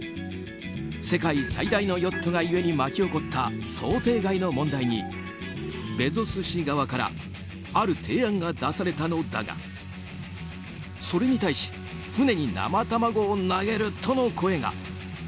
世界最大のヨットが故に巻き起こった想定外の問題にベゾス氏側からある提案が出されたのだがそれに対し船に生卵を投げるとの声が。